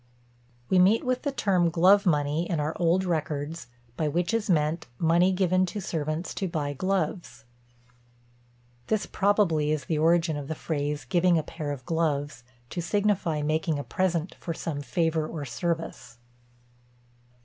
We meet with the term glove money in our old records; by which is meant, money given to servants to buy gloves. This, probably, is the origin of the phrase giving a pair of gloves, to signify making a present for some favour or service.